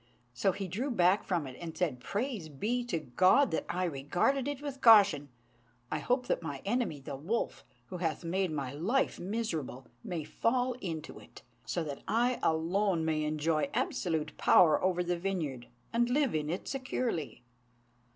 So he drew back from it, and said, "Praise be to God that I regarded it with caution! I hope that my enemy, the wolf, who hath made my life miserable, may fall into it, so that I alone may enjoy absolute power over the vineyard, and live in it securely."